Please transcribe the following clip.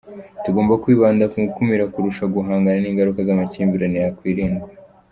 Tugomba kwibanda ku gukumira kurusha guhangana n’ingaruka z’amakimbirane yakwirindwa .